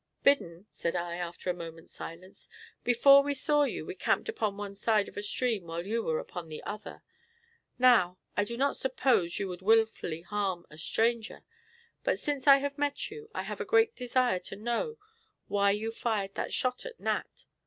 "Biddon," said I, after a moment's silence, "before we saw you we camped upon one side of a stream while you were upon the other. Now, I do not suppose you would willfully harm a stranger; but since I have met you, I have a great desire to know why you fired that shot at Nat.